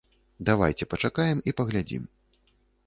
Давайце пачакаем і паглядзім.